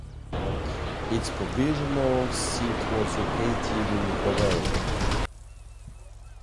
Its provisional seat was located in Kovel.